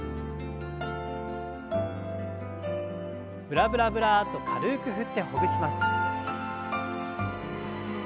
ブラブラブラッと軽く振ってほぐします。